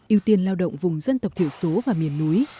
ưu tiên lao động vùng dân tộc thiểu số và miền núi